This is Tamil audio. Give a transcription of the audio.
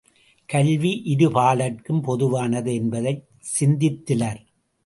கல்வி இருபாலார்க்கும் பொதுவானது என்பதைச் சிந்தித்திலர்.